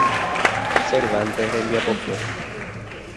Cervantes rembiapokue.